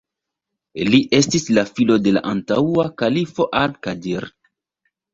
Li estis la filo de la antaŭa kalifo al-Kadir.